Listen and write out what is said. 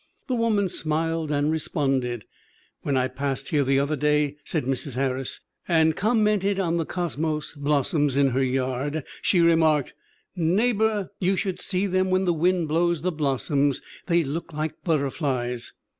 "The woman smiled and responded. 'When I passed here the other day/ said Mrs. Harris, 'and com mented on the cosmos blossoms in her yard, she re marked, "Neighbor, you should see them when the wind blows the blossoms; they look like butterflies."